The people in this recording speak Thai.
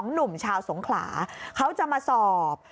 หนุ่มชาวสงขลาเขาจะมาสอบ